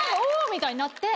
みたいになって。